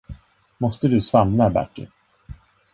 Måste du svamla, Bertie?